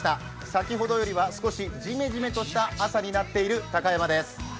先ほどよりは少しジメジメとした朝になっている高山です。